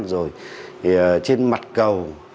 rồi trên mặt cầu